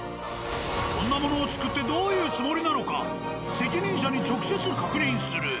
こんなものを作ってどういうつもりなのか責任者に直接確認する。